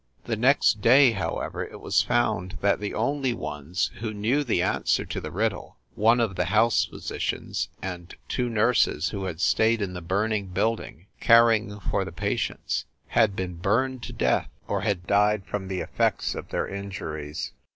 The next day, however, it was found that the only ones who knew the answer to the riddle, one of the house physicians and two nurses who had stayed in the burning building caring for the pa tients, had been burned to death or had died from the effects of their injuries.